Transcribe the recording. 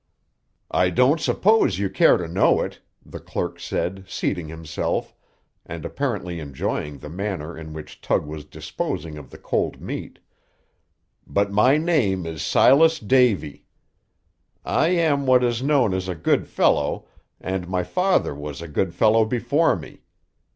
"I don't suppose you care to know it," the clerk said, seating himself, and apparently enjoying the manner in which Tug was disposing of the cold meat, "but my name is Silas Davy. I am what is known as a good fellow, and my father was a good fellow before me.